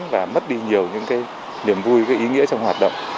và mất đi nhiều những cái niềm vui ý nghĩa trong hoạt động